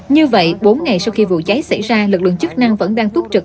như vậy bốn ngày sau khi vụ cháy xảy ra lực lượng chức năng vẫn đang túc trực